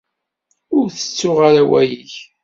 Ur ttettuɣ ara awal-ik.